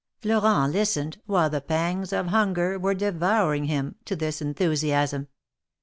Florent listened, while the pangs of hunger were devouring him, to this enthusiasm.